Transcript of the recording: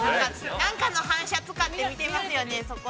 何かの反射を使って見てますよね。